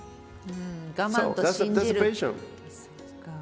我慢と信じる。